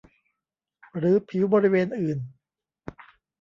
หรือผิวบริเวณอื่น